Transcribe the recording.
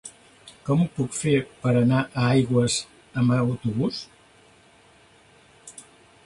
Com ho puc fer per anar a Aigües amb autobús?